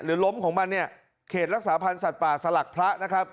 ล้มของมันเนี่ยเขตรักษาพันธ์สัตว์ป่าสลักพระนะครับ